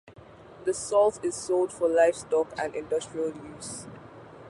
The salt is sold for livestock and industrial use.